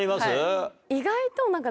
意外と。